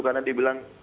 karena dia bilang